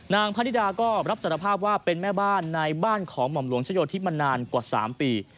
พระนิดาก็รับสารภาพว่าเป็นแม่บ้านในบ้านของหม่อมหลวงชะโยธิมานานกว่า๓ปี